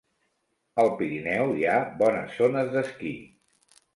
Al Pirineu hi ha bones zones d'esquí.